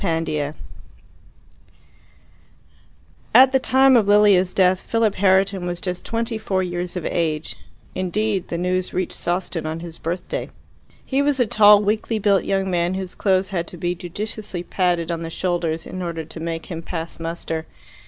Chapter 5 At the time of Lilia's death Philip Herriton was just twenty four years of age indeed the news reached Sawston on his birthday. He was a tall, weakly built young man, whose clothes had to be judiciously padded on the shoulders in order to make him pass muster.